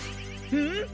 うん！？